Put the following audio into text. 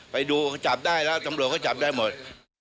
ไปดูจับได้แล้วตำรวจก็จับได้หมด